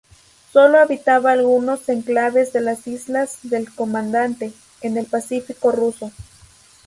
Solo habitaba algunos enclaves de las islas del Comandante, en el Pacífico ruso.